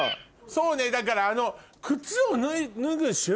そうねだからあの。